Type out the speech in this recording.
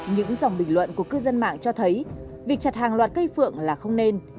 những dòng bình luận của cư dân mạng cho thấy việc chặt hàng loạt cây phượng là không nên